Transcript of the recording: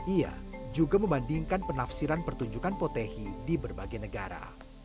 ia juga membandingkan penafsiran pertunjukan potehi di berbagai negara